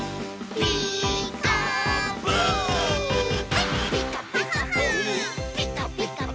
「ピカピカブ！ピカピカブ！」